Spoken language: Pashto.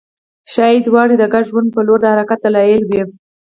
ښايي دواړه د ګډ ژوند په لور د حرکت دلایل وي